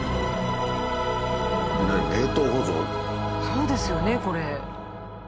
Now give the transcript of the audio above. そうですよねこれ。